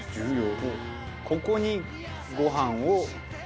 ここにご飯を。